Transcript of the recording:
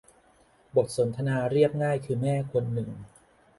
บทสนทนาเรียบง่ายคือแม่คนหนึ่ง